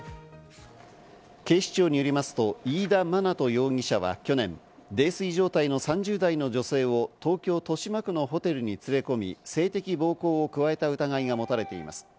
警視庁によりますと、飯田学人容疑者は去年、泥酔状態の３０代の女性を東京・豊島区のホテルに連れ込み、性的暴行を加えた疑いが持たれています。